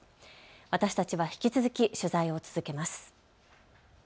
私たちは引き続き取材を続けます。